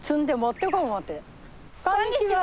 こんにちは！